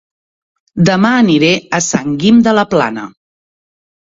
Dema aniré a Sant Guim de la Plana